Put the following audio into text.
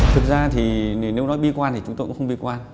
thực ra thì nếu nói bi quan thì chúng tôi cũng không bi quan